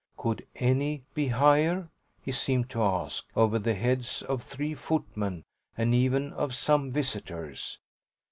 Could any be higher? he seemed to ask over the heads of three footmen and even of some visitors.